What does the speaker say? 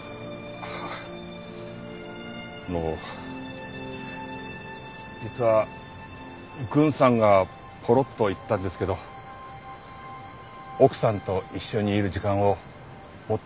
あの実は郡さんがポロッと言ったんですけど奥さんと一緒にいる時間をもっと増やす事にしたと。